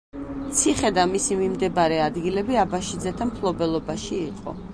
ციხე და მისი მიმდებარე ადგილები აბაშიძეთა მფლობელობაში იყო.